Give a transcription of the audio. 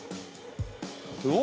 うわ！